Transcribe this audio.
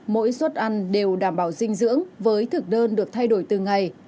mỗi suất ăn đều đảm bảo dinh dưỡng với thực đơn được thay đổi từng ngày